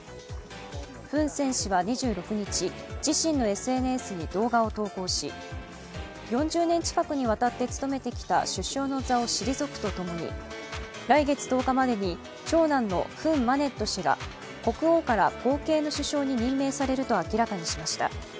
フン・セン氏は２６日、自身のＳＮＳに動画を投稿し４０年近くにわたって務めてきた首相の座を退くとととみに来月１０日までに長男のフン・マネット氏が国王から後継の首相に任命されると明らかにしました。